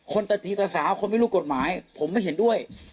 ตะตีตะสาวคนไม่รู้กฎหมายผมไม่เห็นด้วย